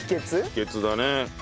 秘訣だね。